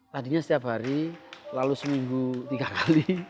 tadinya setiap hari lalu seminggu tiga kali